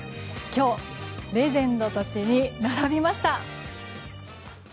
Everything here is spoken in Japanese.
今日レジェンドたちに並びました。